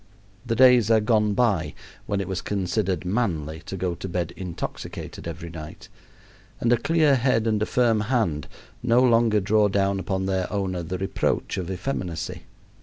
The days are gone by when it was considered manly to go to bed intoxicated every night, and a clear head and a firm hand no longer draw down upon their owner the reproach of effeminacy.